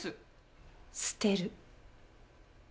捨てる。